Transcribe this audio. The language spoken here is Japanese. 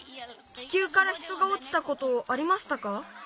気球から人がおちたことありましたか？